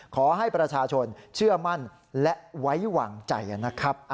ขอให้ประชาชนเชื่อมั่นและไว้วางใจนะครับ